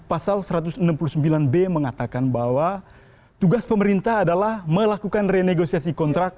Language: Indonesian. pasal satu ratus enam puluh sembilan b mengatakan bahwa tugas pemerintah adalah melakukan renegosiasi kontrak